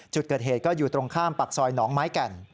จุดเกิดเหตุก็อยู่ตรงข้ามปากซอยหนองไม้แก่น